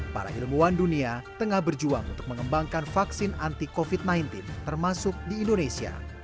para ilmuwan dunia tengah berjuang untuk mengembangkan vaksin anti covid sembilan belas termasuk di indonesia